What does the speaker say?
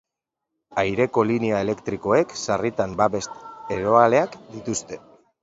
Aireko linea elektrikoek sarritan babes-eroaleak dituzte.